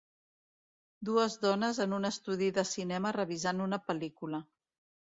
Dues dones en un estudi de cinema revisant una pel·lícula